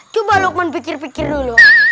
coba lukman pikir pikir dulu